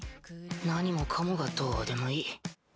何もかもがどうでもいい。